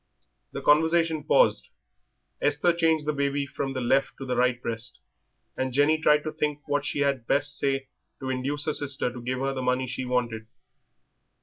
The conversation paused. Esther changed the baby from the left to the right breast, and Jenny tried to think what she had best say to induce her sister to give her the money she wanted.